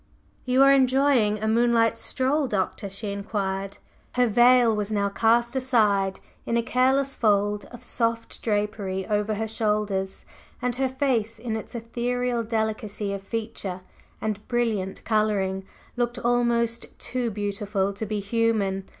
"You are enjoying a moonlight stroll, Doctor?" she inquired. Her veil was now cast aside in a careless fold of soft drapery over her shoulders, and her face in its ethereal delicacy of feature and brilliant coloring looked almost too beautiful to be human.